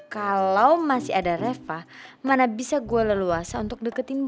kalau masih ada reva mana bisa gue leluasa untuk deketin